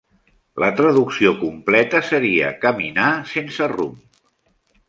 La traducció completa seria "caminar sense rumb".